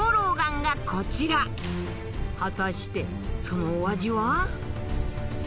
果たしてそのお味は？